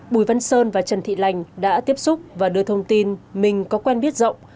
bùi văn sơn và trần thị lành đã tiếp xúc và đưa thông tin mình có quen biết rộng